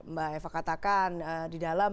mbak eva katakan di dalam